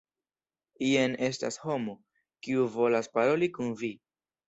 Jen estas homo, kiu volas paroli kun vi.